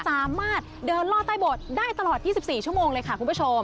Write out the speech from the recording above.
สามารถเดินล่อใต้โบสถได้ตลอด๒๔ชั่วโมงเลยค่ะคุณผู้ชม